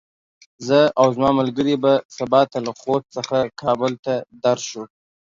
زه او زما ملګري به سبا ته له خوست څخه کابل ته درشو.